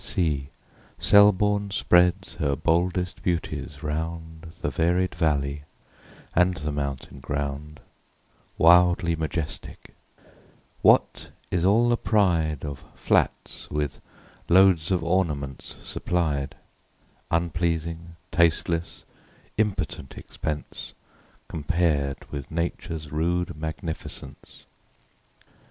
See, Selborne spreads her boldest beauties round The varied valley, and the mountain ground, Wildly majestic ! What is all the pride, Of flats, with loads of ornaments supplied ?— Unpleasing, tasteless, impotent expense, Compared with Nature's rude magnificenee.